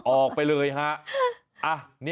ออกไปเลยฮะ